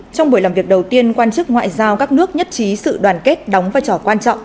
trong buổi làm việc đầu tiên quan chức ngoại giao các nước nhất trí sự đoàn kết đóng vai trò quan trọng